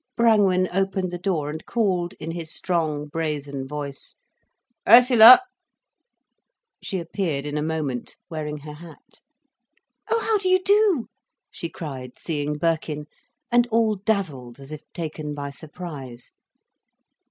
Brangwen opened the door, and called, in his strong, brazen voice: "Ursula." She appeared in a moment, wearing her hat. "Oh how do you do!" she cried, seeing Birkin, and all dazzled as if taken by surprise.